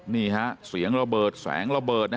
นี่ฮะเสียงระเบิดแสงระเบิดนะฮะ